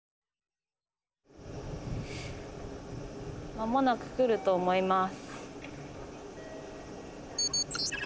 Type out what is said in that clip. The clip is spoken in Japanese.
まもなく来ると思います。